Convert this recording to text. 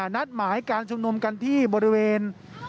นัดหมายการชุมนุมกันที่บริเวณ